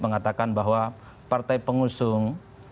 mengatakan bahwa partai pengusung